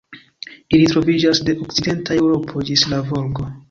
Ili troviĝas de okcidenta Eŭropo ĝis la Volgo.